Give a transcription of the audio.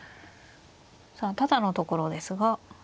さあタダのところですが。